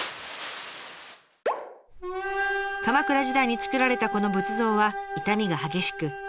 鎌倉時代に作られたこの仏像は傷みが激しく。